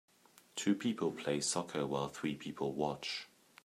Two people play soccer while three people watch.